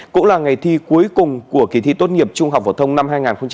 cũng là ngày thi cuối cùng của kỳ thi tốt nghiệp trung học phổ thông năm hai nghìn hai mươi